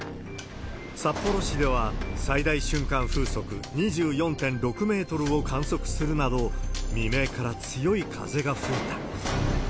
札幌市では最大瞬間風速２４．６メートルを観測するなど、未明から強い風が吹いた。